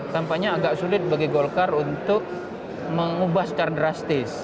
tampaknya agak sulit bagi golkar untuk mengubah secara drastis